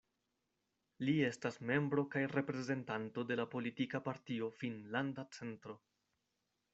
Li estas membro kaj reprezentanto de la politika partio Finnlanda Centro.